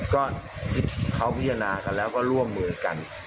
ก็เขาพิจารณากันแล้วก็ร่วมมือกัน